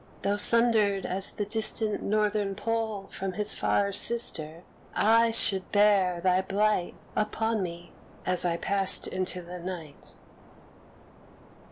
Though sundered as the distant Northern Pole From his far sister, I should bear thy blight Upon me as I passed into the night.